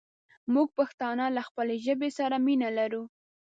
مونږ پښتانه له خپلې ژبې سره مينه لرو